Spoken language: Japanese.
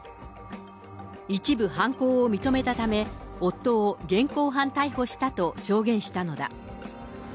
一部犯行を認めたため、夫を現行犯逮捕したと証言したのだ。